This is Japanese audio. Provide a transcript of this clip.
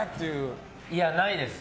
いや、ないです。